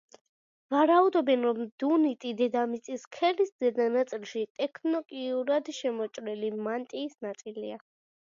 ვარაუდობენ, რომ დუნიტი დედამიწის ქერქის ზედა ნაწილში ტექტონიკურად შემოჭრილი მანტიის ნაწილია.